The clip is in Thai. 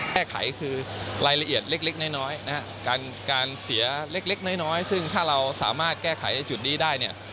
แก้ไขคือรายละเอียดเล็กน้อยนะฮะการเสียเล็กน้อยซึ่งถ้าเราสามารถแก้ไขในจุดนี้ได้เนี่ย